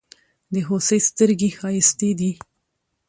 د هوسۍ ستړگي ښايستې دي.